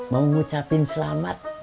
mau ngucapin selamat